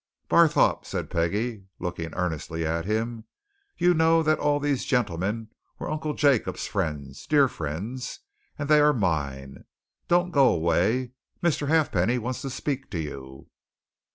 "Barthorpe!" said Peggie, looking earnestly at him. "You know that all these gentlemen were Uncle Jacob's friends dear friends and they are mine. Don't go away Mr. Halfpenny wants to speak to you."